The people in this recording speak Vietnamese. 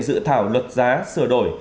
dự thảo luật giá sửa đổi